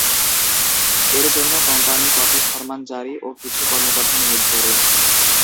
এর জন্য কোম্পানি কটি ফরমান জারী ও কিছু কর্মকর্তা নিয়োগ করে।